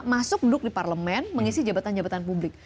masuk duduk di parlemen mengisi jabatan jabatan publik